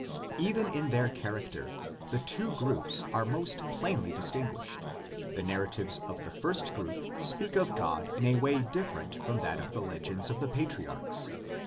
Even in their character the two groups are most plainly distinguished: the narratives of the first group speak of God in a way different from that of the legends of the patriarchs.